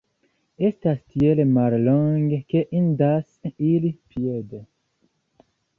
Estas tiel mallonge ke indas iri piede.